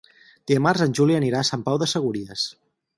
Dimarts en Juli anirà a Sant Pau de Segúries.